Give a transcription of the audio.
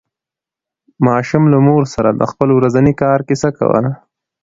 ماشوم له مور سره د خپل ورځني کار کیسه کوله